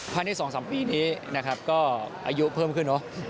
พันธุ์ที่๒๓ปีนี้นะครับก็อายุเพิ่มขึ้น